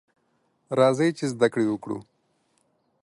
راځئ ! چې زده کړې وکړو.